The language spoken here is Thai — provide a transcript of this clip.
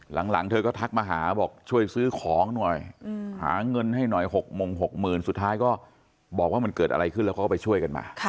หลังเธอก็ทักมาหาบอกช่วยซื้อของหน่อยหาเงินให้หน่อย๖โมง๖๐๐๐สุดท้ายก็บอกว่ามันเกิดอะไรขึ้นแล้วเขาก็ไปช่วยกันมา